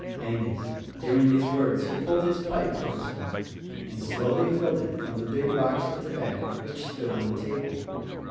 Angus, during these words, had pulled his pipe towards him and slowly filled it from the big box of tobacco which stood on the table.